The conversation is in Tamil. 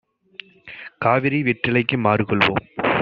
காவிரி வெற்றிலைக்கு மாறுகொள்ளு வோம்